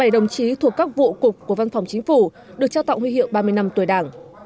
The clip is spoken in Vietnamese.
bảy đồng chí thuộc các vụ cục của văn phòng chính phủ được trao tặng huy hiệu ba mươi năm tuổi đảng